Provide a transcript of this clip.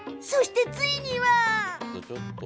そして、ついには。